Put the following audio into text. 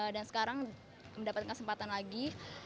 dan sekarang mendapatkan kesempatan lagi